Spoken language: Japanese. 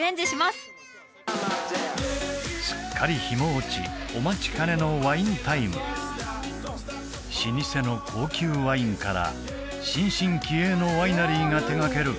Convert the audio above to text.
すっかり日も落ちお待ちかねのワインタイム老舗の高級ワインから新進気鋭のワイナリーが手がける